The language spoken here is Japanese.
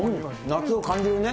夏を感じるね。